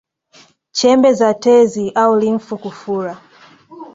Chembe za tezi au limfu kufura